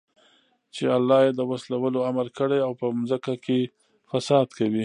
چې الله ئې د وصلَولو امر كړى او په زمكه كي فساد كوي